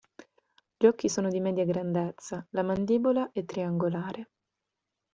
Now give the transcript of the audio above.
Gli occhi sono di media grandezza, la mandibola è triangolare.